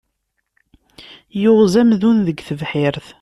Yuɣez amdun deg tebḥirt.